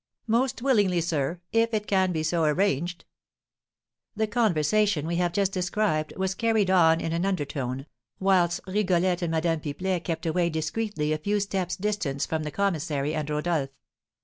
"Most willingly, sir, if it can be so arranged." The conversation we have just described was carried on in an undertone, whilst Rigolette and Madame Pipelet kept away discreetly a few steps' distance from the commissary and Rodolph.